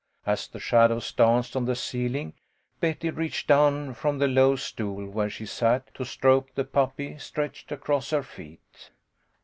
As the shadows danced on the ceiling, Betty reached down from the low stool where she sat, to stroke the puppy stretched across her feet.